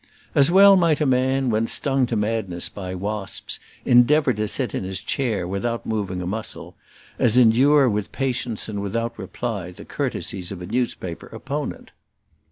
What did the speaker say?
As well might a man, when stung to madness by wasps, endeavour to sit in his chair without moving a muscle, as endure with patience and without reply the courtesies of a newspaper opponent.